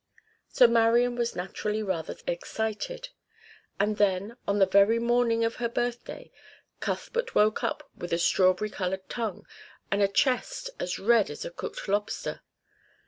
So Marian was naturally rather excited; and then, on the very morning of her birthday, Cuthbert woke up with a strawberry coloured tongue and a chest as red as a cooked lobster.